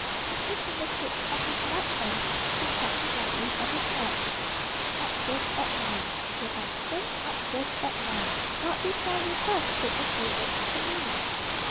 With the finger tips of his right hand he tapped him lightly on the chest. "Not just at once, dear Buxton, not just at once. Not before you have said a few words to me."